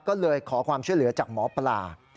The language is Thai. ก็เลยขอความช่วยเหลือจากหมอปลา